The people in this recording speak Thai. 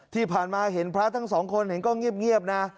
ที่ผ่านมาเห็นพระทั้งสองคนเห็นก็เงียบนะ